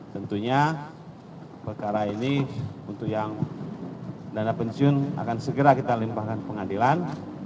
tentunya perkara ini untuk yang dana pensiun akan segera kita limpahkan pengadilan